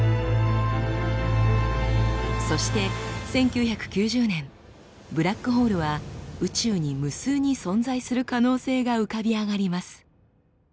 そして１９９０年ブラックホールは宇宙に無数に存在する可能性が浮かび上がります。